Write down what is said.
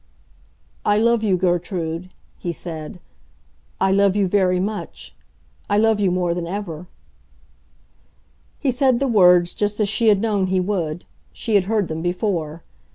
"I love you, Gertrude," he said. "I love you very much; I love you more than ever." He said the words just as she had known he would; she had heard them before.